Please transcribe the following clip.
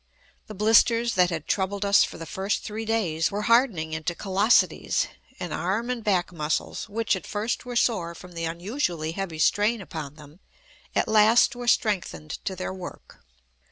The blisters that had troubled us for the first three days were hardening into callosities, and arm and back muscles, which at first were sore from the unusually heavy strain upon them, at last were strengthened to their work.